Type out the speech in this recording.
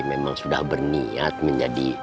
memang sudah berniat menjadi